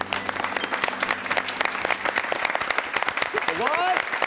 すごい！